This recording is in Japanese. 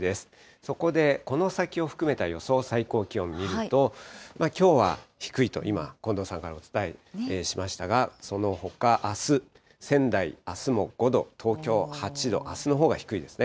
そこでこの先を含めた予想最高気温見ると、きょうは低いと、今、近藤さんからお伝えしましたが、そのほか、あす、仙台、あすも５度、東京８度、あすのほうが低いですね。